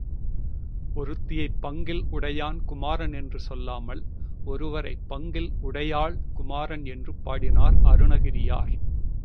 ஒருத்தியைப் பங்கில் உடையான் குமாரன் என்று சொல்லாமல் ஒருவரைப் பங்கில் உடையாள் குமாரன் என்று பாடினார் அருணகிரியார்.